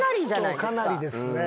かなりですね。